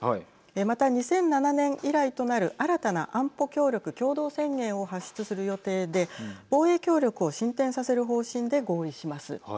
また、２００７年以来となる新たな安保協力共同宣言を発出する予定で防衛協力を進展させる方針で合意します。